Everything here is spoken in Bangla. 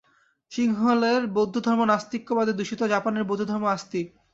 সিংহলের বৌদ্ধধর্ম নাস্তিক্যবাদে দূষিত, জাপানের বৌদ্ধধর্ম আস্তিক।